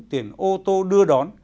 tiền ô tô đưa đón